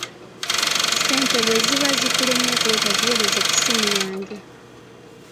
Ssente bwe ziba zikulemye okuleeta ziweereze ku ssimu yange.